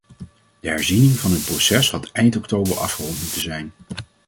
De herziening van hun proces had eind oktober afgerond moeten zijn.